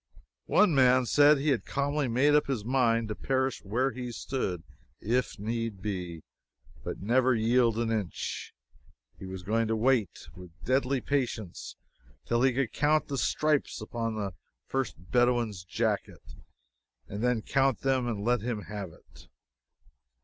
One man said he had calmly made up his mind to perish where he stood, if need be, but never yield an inch; he was going to wait, with deadly patience, till he could count the stripes upon the first Bedouin's jacket, and then count them and let him have it.